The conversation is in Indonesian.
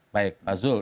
baik pak zul